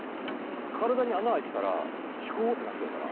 体に穴開いてたらシュコーってなっちゃうから。